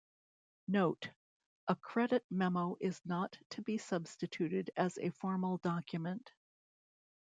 "Note:" A Credit Memo is not to be substituted as a formal document.